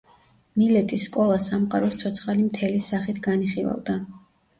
მილეტის სკოლა სამყაროს ცოცხალი მთელის სახით განიხილავდა.